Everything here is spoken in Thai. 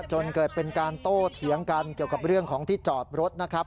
จนเกิดเป็นการโต้เถียงกันเกี่ยวกับเรื่องของที่จอดรถนะครับ